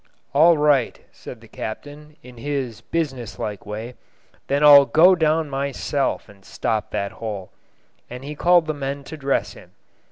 "All right," said the captain, in his businesslike way; "then I'll go down myself and stop that hole." And he called the men to dress him.